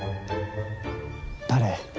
誰？